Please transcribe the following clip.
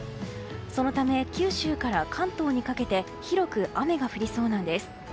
そのため九州から関東にかけて広く雨が降りそうなんです。